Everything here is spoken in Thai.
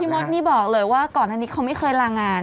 พี่หมดนี่บอกเลยว่าคะวฮนัดนี้เขาไม่เคยหลางงาน